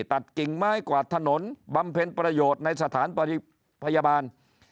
กิ่งไม้กวาดถนนบำเพ็ญประโยชน์ในสถานพยาบาล